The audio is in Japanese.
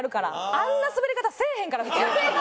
あんなスベり方せえへんから普通。